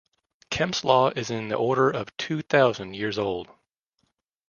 Kemps Law is in the order of two thousand years old.